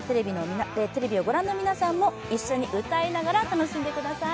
テレビをご覧の皆さんも一緒に歌いながら楽しんでください。